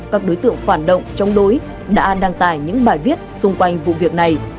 các đối tượng phản động chống đối đã đăng tải những bài viết xung quanh vụ việc này